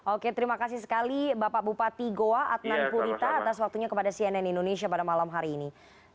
oke terima kasih sekali bapak bupati goa adnan purita atas waktunya kepada cnn indonesia pada malam hari ini